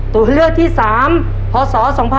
ตัวเลือกที่๓พศ๒๕๖๒